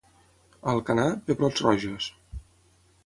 A Alcanar, pebrots rojos.